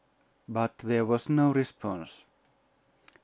'.... But there was no response.